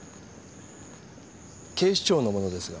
警視庁の者ですが。